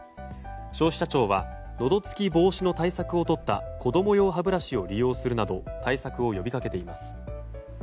消費者庁は、のど突き防止の対策をとった子供用歯ブラシを利用するなど対策を呼びかけています。